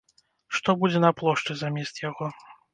Што будзе на плошчы замест яго?